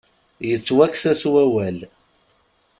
Yettwakkes-as wawal.